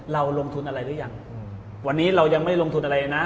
เราลงทุนอะไรหรือยังวันนี้เรายังไม่ลงทุนอะไรนะ